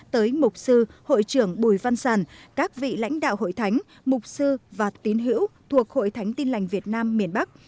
tới mục sư hội trưởng bùi văn sàn các vị lãnh đạo hội thánh mục sư và tín hữu thuộc hội thánh tin lành việt nam miền bắc